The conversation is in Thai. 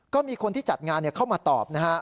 ก็มีคนที่จัดงานเข้ามาตอบนะฮะ